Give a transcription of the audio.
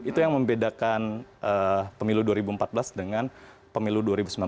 itu yang membedakan pemilu dua ribu empat belas dengan pemilu dua ribu sembilan belas